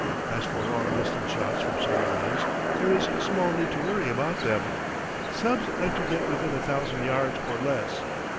As for long distance shots from submarines there is small need to worry about them. Subs like to get within a thousand yards or less.